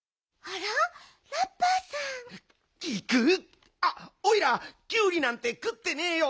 あっおいらキュウリなんてくってねえよ。